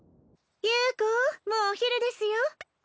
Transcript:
優子もうお昼ですよ